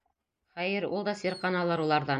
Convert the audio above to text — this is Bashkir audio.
Хәйер, ул да сирҡаналыр уларҙан.